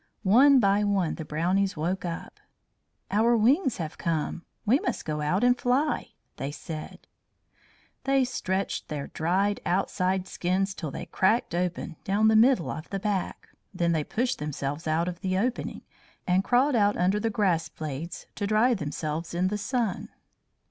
One by one the Brownies woke up. "Our wings have come! We must go out and fly!" they said. They stretched their dried outside skins till they cracked open down the middle of the back. Then they pushed themselves out of the opening, and crawled out under the grass blades to dry themselves in the sun.